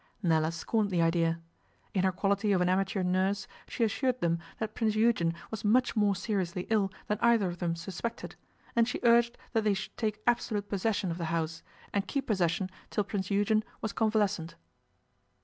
Nella scorned the idea. In her quality of an amateur nurse, she assured them that Prince Eugen was much more seriously ill than either of them suspected, and she urged that they should take absolute possession of the house, and keep possession till Prince Eugen was convalescent.